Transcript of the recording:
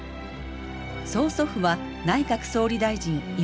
曽祖父は内閣総理大臣犬養毅。